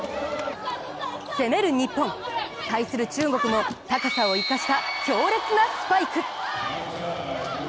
攻める日本、対する中国も高さを生かした強烈なスパイク。